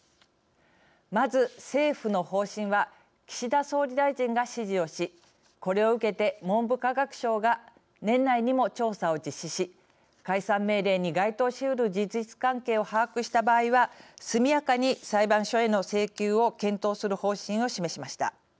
まず、政府の方針は岸田総理大臣が指示をしこれを受けて、文部科学省が年内にも調査を実施し解散命令に該当しうる事実関係を把握した場合は速やかに裁判所への請求を検討する方針を示しました。